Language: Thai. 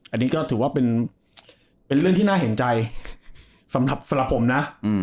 อันนี้ก็ถือว่าเป็นเรื่องที่น่าเห็นใจสำหรับผมนะ